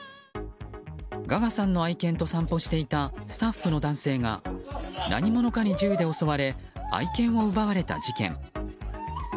ガガさんの愛犬と散歩していたスタッフの男性が何者かに銃で襲われ愛犬を奪われた事件。